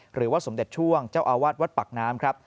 หรือว่าสมเด็จช่วงเจ้าอาวาสวัดปากน้ำครับ